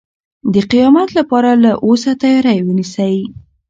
د قیامت لپاره له اوسه تیاری ونیسئ.